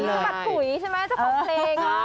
สะบัดถุยใช่ไหมเจ้าของเพลง